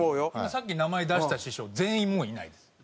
さっき名前出した師匠全員もういないです。